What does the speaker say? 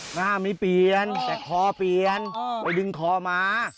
หน้าไม่เปลี่ยนแต่คอเปลี่ยนไปดึงคอมา